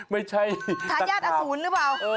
ไม่ใช่ตักราบหรือเปล่า